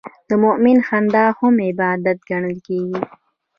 د مؤمن خندا هم عبادت ګڼل کېږي.